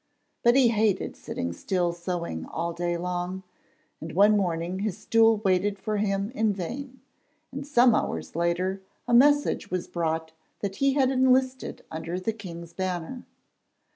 But he hated sitting still sewing all day long, and one morning his stool waited for him in vain, and some hours later a message was brought that he had enlisted under the king's banner.